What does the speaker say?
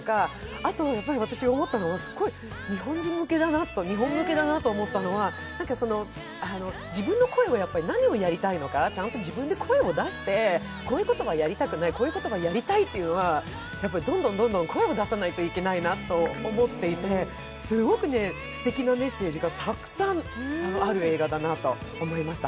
あと私、思ったのはすごい日本向けだなと思ったのは自分の声を、何をやりたいのか、ちゃんと自分の声を出して、こういうことはやりたくない、こういうことはやりたいと、どんどん声を出さないといけないなと思っていてすごくすてきなメッセージがたくさんある映画だなと思いました。